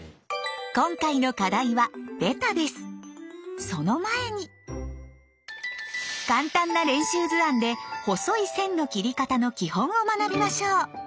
今回のその前に簡単な練習図案で細い線の切り方の基本を学びましょう！